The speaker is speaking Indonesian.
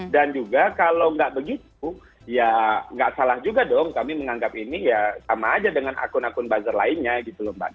dan juga kalau nggak begitu ya nggak salah juga dong kami menganggap ini sama aja dengan akun akun bazar lainnya gitu loh mbak